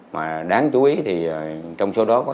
mà đáng chú ý thì trong số đó